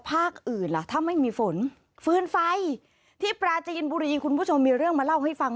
ภาคอื่นล่ะถ้าไม่มีฝนฟืนไฟที่ปราจีนบุรีคุณผู้ชมมีเรื่องมาเล่าให้ฟัง